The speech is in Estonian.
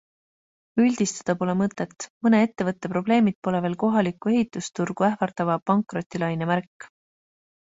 Üldistada pole mõtet, mõne ettevõtte probleemid pole veel kohalikku ehitusturgu ähvardava pankrotilaine märk.